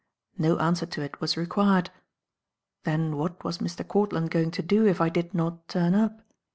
No answer to it was required. Then what was Mr. Courtland going to do if I did not turn up?